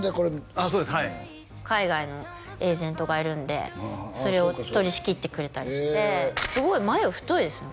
ああそうですはい海外のエージェントがいるんでそれを取り仕切ってくれたりしてすごい眉太いですね